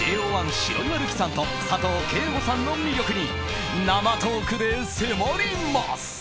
１白岩瑠姫さん、佐藤景瑚さんの魅力に生トークで迫ります。